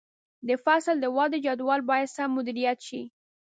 د فصل د ودې جدول باید سم مدیریت شي.